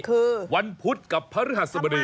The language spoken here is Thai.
คือวันพุธกับภรรยาสมณี